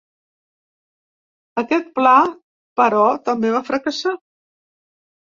Aquest pla, però, també va fracassar.